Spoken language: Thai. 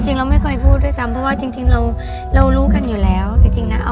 จริงเราไม่ค่อยพูดด้วยซ้ำเพราะว่าจริงเราเรารู้กันอยู่เรา